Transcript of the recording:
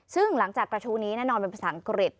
ซึ่งหลังจากกระทู้นี้แน่นอนเป็นภาษาอังกฤษ